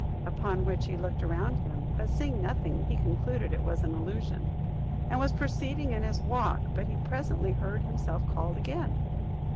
upon which he looked around him, but seeing nothing, he concluded it was an illusion, and was proceeding in his walk; but he presently heard himself called again.